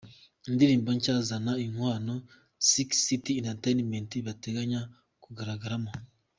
Indirimbo nshya Zana Inkwano Sick City Entertainment bateganya kugaragaramo:.